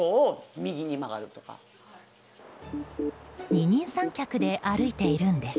二人三脚で歩いているんです。